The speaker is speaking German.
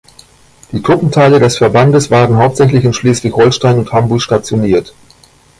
Die Truppenteile des Verbandes waren hauptsächlich in Schleswig-Holstein und Hamburg stationiert.